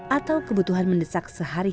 atau kebutuhan mendesak seharian